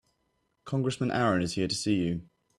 Congressman Aaron is here to see you.